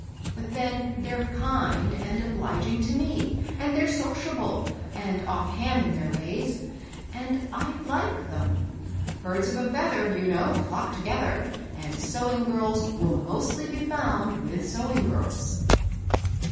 But then, they're kind and obliging to me, and they're sociable and off hand in their ways, and — I like them. * Birds of a feath er,' you know, * flock together ;' and sewing girls will mostly be found with sewing girls."